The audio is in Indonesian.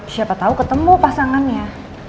siapa tahu ketemu pasangannya